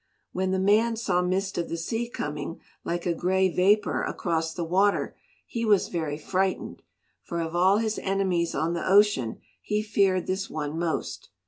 When the man saw Mist of the Sea coming like a grey vapour across the water he was very frightened, for of all his enemies on the ocean he feared this one most.